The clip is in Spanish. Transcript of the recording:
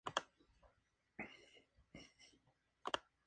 El tema se incluyó en la grabación de la gira "The Confessions Tour".